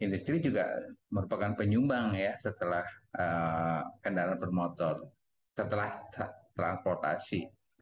industri juga merupakan penyumbang ya setelah kendaraan bermotor setelah transportasi